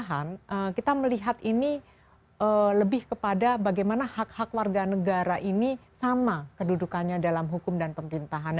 nah dalam konteks menjaga keamanan kita melihat ini lebih kepada bagaimana hak hak warga negara ini sama kedudukannya dalam hukum dan pemerintahan